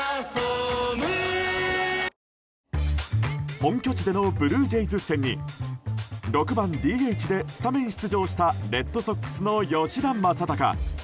本拠地でのブルージェイズ戦に６番ＤＨでスタメン出場したレッドソックスの吉田正尚。